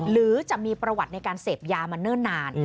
หรือจะมีประวัติในการเสพยามาเนิ่นนาน